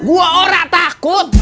gua orang takut